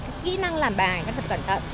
cái kỹ năng làm bài các con cần cẩn thận